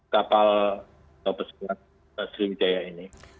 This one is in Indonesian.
kapal pesawat sriwijaya ini